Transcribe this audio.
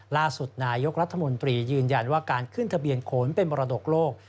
ล่าสุดนายกรัฐมนตรียืนยันว่าการขึ้นทะเบียนโขนเป็นมรดกโลก